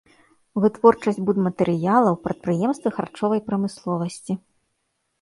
Вытворчасць будматэрыялаў, прадпрыемствы харчовай прамысловасці.